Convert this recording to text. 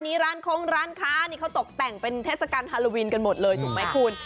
นี่ร้านโค้งร้านค้านี่เขาตกแต่งเป็นเทศกาลฮาโลวีนกันหมดเลยถูกไหมคุณ